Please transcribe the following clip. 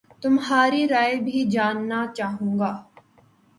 تمہاری رائے بھی جاننا چاہوں گا